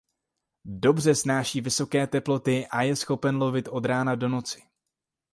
Dobře snáší vysoké teploty a je schopen lovit od rána do noci.